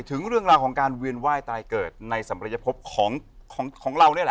ถึงเรื่องราวของการเวียนไหว้ตายเกิดในสัมรยภพของเรานี่แหละ